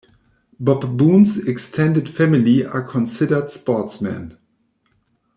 Bob Boone's extended family are considered sportsmen.